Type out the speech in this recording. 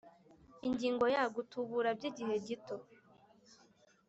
Ingingo ya Gutubura by’ igihe gito